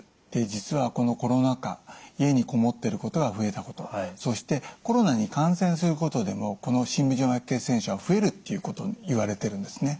実はこのコロナ禍家にこもっていることが増えたことそしてコロナに感染することでもこの深部静脈血栓症が増えるっていうこといわれているんですね。